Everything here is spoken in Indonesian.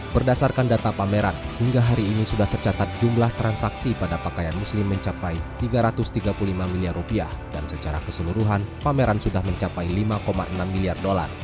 berdasarkan data pameran hingga hari ini sudah tercatat jumlah transaksi pada pakaian muslim mencapai rp tiga ratus tiga puluh lima miliar rupiah dan secara keseluruhan pameran sudah mencapai lima enam miliar